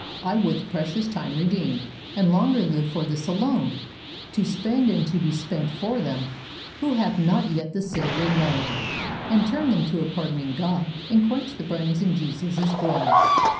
"I would the precious time redeem, And longer live for this alone — To spend and to be spent for them, Who have not yet the Saviour known, And turn them to a pardoning God And quench the brands in Jesus' Blood.